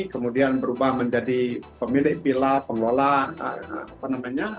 kemudian berubah menjadi pemilik bila pengelola apa namanya